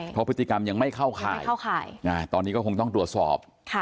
เพราะพฤติกรรมยังไม่เข้าข่ายเข้าข่ายตอนนี้ก็คงต้องตรวจสอบ